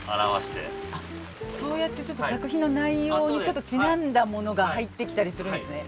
ああそうやってちょっと作品の内容にちょっとちなんだものが入ってきたりするんですね。